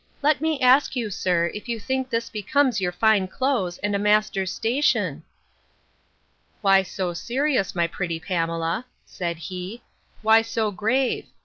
—Let me ask you, sir, if you think this becomes your fine clothes, and a master's station: Why so serious, my pretty Pamela? said he: Why so grave?